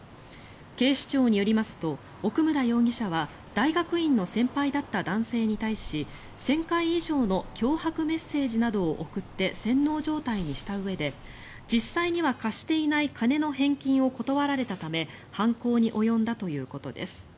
警視庁によりますと奥村容疑者は大学院の先輩だった男性に対し１０００回以上の脅迫メッセージなどを送って洗脳状態にしたうえで実際には貸していない金の返金を断られたため犯行に及んだということです。